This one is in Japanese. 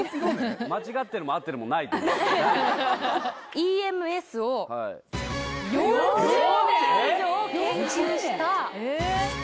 ＥＭＳを４０年以上研究した４０年？